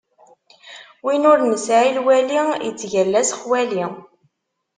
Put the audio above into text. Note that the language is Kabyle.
Win ur nesɛi lwali, ittgalla s xwali.